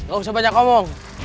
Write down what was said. gak usah banyak omong